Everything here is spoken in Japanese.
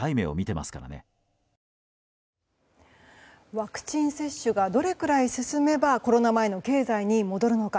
ワクチン接種がどれくらい進めばコロナ前の経済に戻るのか。